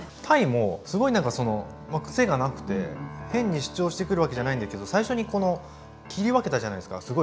たいもすごいなんか癖がなくて変に主張してくるわけじゃないんだけど最初にこの切り分けたじゃないですか。